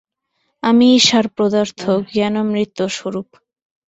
আমিই সার পদার্থ, জ্ঞানামৃত-স্বরূপ।